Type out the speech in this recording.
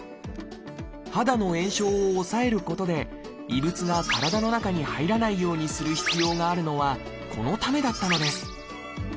肌の炎症を抑えることで異物が体の中に入らないようにする必要があるのはこのためだったのです。